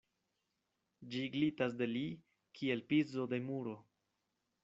Ĝi glitas de li kiel pizo de muro.